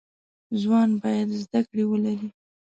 ځوانان باید زده کړی ولری